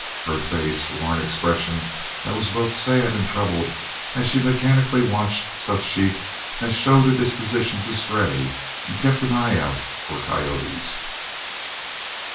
Her face wore an expression that was both sad and troubled as she mechanically watched such sheep as showed a disposition to stray, and kept an eye out for coyotes.